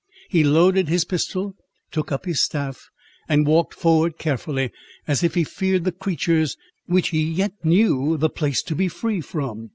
He loaded his pistol, took up his staff, and walked forward carefully, as if he feared the creatures which he yet knew the place to be free from.